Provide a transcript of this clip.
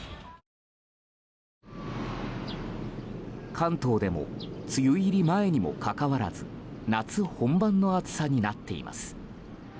関東でも梅雨入り前にもかかわらず夏本番の暑さになっています。